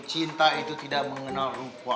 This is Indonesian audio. cinta itu tidak mengenal rukua